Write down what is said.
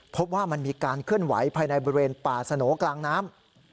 พบว่ามันมีการเคลื่อนไหวภายในบริเวณป่าสโหนกลางน้ำ